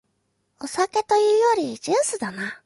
お酒というよりジュースだな